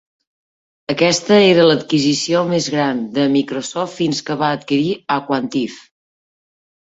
Aquesta era l'adquisició més gran de Microsoft fins que va adquirir aQuantive.